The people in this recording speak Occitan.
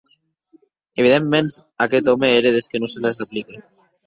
Evidentaments aqueth òme ère des que non se les replique.